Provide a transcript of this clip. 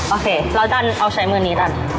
โอเคเราดันเอาใช้มือนี้ดัน